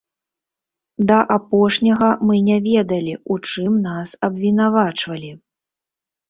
Да апошняга мы не ведалі, у чым нас абвінавачвалі.